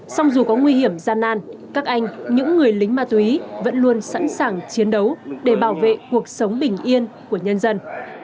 song dù có nguy hiểm gian nan các anh những người lính ma túy vẫn luôn sẵn sàng chiến đấu để bảo vệ cuộc sống bình yên của nhân dân